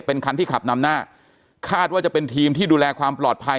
เป็นคันที่ขับนำหน้าคาดว่าจะเป็นทีมที่ดูแลความปลอดภัย